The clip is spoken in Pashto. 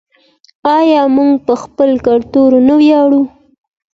آیا موږ په خپل کلتور نه ویاړو؟